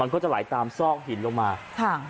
มันก็จะไหลตามซอกหินลงมาค่ะ